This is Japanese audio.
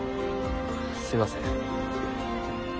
すいません。